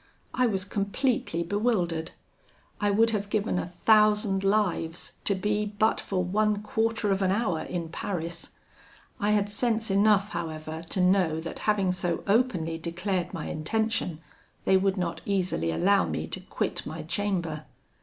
I was completely bewildered. I would have given a thousand lives to be but for one quarter of an hour in Paris. I had sense enough, however, to know that having so openly declared my intention, they would not easily allow me to quit my chamber.